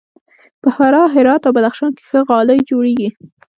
په فراه، هرات او بدخشان کې ښه غالۍ جوړیږي.